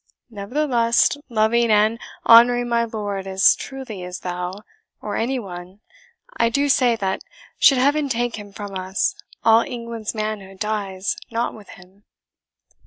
Nevertheless, loving and, honouring my lord as truly as thou, or any one, I do say that, should Heaven take him from us, all England's manhood dies not with him."